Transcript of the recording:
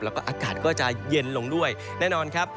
แล้วก็อากาศก็จะเย็นลงด้วยแน่นอนครับ